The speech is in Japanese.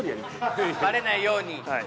バレないように。